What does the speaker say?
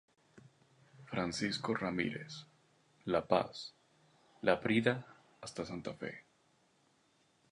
Francisco Ramírez, La Paz, Laprida hasta Santa Fe.